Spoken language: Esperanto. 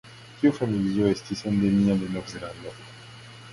Tiu familio estis endemia de Novzelando.